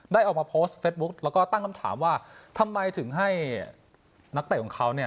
ออกมาโพสต์เฟสบุ๊คแล้วก็ตั้งคำถามว่าทำไมถึงให้นักเตะของเขาเนี่ย